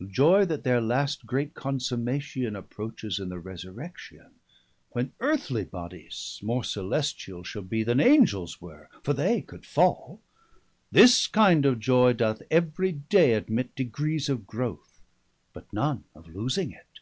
490 Joy that their last great Consummation Approaches in the resurrection; When earthly bodies more celestiall Shall be, then Angels were, for they could fall; This kinde of joy doth every day admit 495 Degrees of growth, but none of losing it.